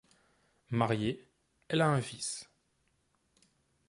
Mariée, elle a un fils.